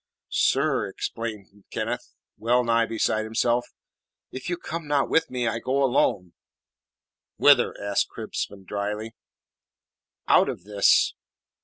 "Sir," exclaimed Kenneth, well nigh beside himself, "if you come not with me, I go alone!" "Whither?" asked Crispin dryly. "Out of this."